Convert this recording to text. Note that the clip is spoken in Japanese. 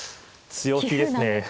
強気ですね。